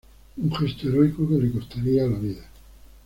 Un gesto heroico que le costaría la vida.